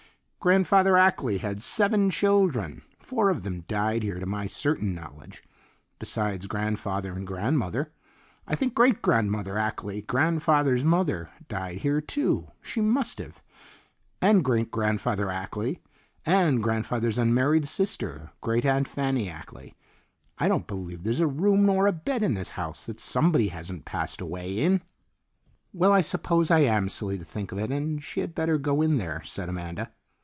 Grandfather Ackley had seven children; four of them died here to my certain knowledge, besides grandfather and grandmother. I think Great grandmother Ackley, grandfather's mother, died here, too; she must have; and Great grandfather Ackley, and grandfather's unmarried sister, Great aunt Fanny Ackley. I don't believe there's a room nor a bed in this house that somebody hasn't passed away in." "Well, I suppose I am silly to think of it, and she had better go in there," said Amanda.